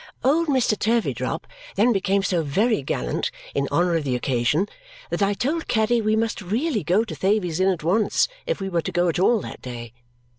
Old Mr. Turveydrop then became so very gallant, in honour of the occasion, that I told Caddy we must really go to Thavies Inn at once if we were to go at all that day.